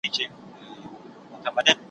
زه هره ورځ د سبا لپاره د يادښتونه بشپړوم!